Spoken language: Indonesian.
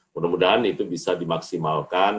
mudah mudahan itu bisa dimaksimalkan